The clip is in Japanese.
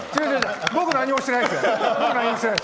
僕、何もしてないですよ！